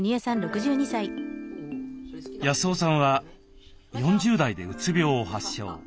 康雄さんは４０代でうつ病を発症。